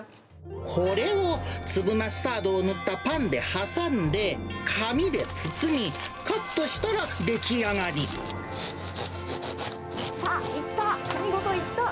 これを粒マスタードを塗ったパンで挟んで、紙で包み、カットさあ、いった。